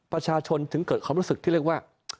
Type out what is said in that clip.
ประชาชนถึงเกิดความรู้สึกที่เรียกว่า